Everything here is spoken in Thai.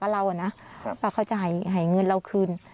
เพราะเขาจะให้เงินเราคืน